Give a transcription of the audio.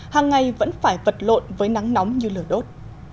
hàng ngày vẫn phải vật lộn với nắng nóng như lửa đốt